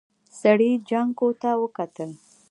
سړي جانکو ته وکتل.